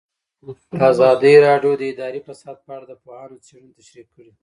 ازادي راډیو د اداري فساد په اړه د پوهانو څېړنې تشریح کړې.